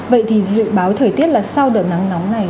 vậy thì dự báo thời tiết là sau đợt nắng nóng này